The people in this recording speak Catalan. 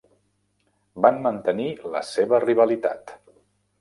Van mantenir la seva rivalitat.